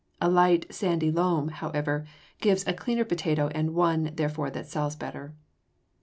A light, sandy loam, however, gives a cleaner potato and one, therefore, that sells better.